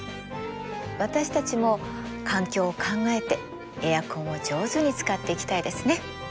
私たちも環境を考えてエアコンを上手に使っていきたいですね。